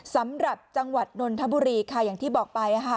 สำหรับจังหวัดนนทบุรีค่ะอย่างที่บอกไป